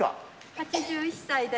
８１歳です。